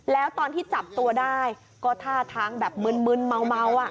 แล้วตอนที่จับตัวได้ก็ท่าทางแบบมึนเมา